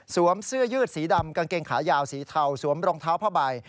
เสื้อยืดสีดำกางเกงขายาวสีเทาสวมรองเท้าผ้าใบ